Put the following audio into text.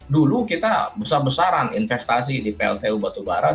dulu kita besar besaran investasi di pltu batu bara